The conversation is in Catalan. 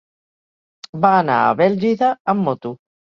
Va anar a Bèlgida amb moto.